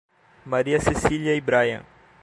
Maria Cecília e Bryan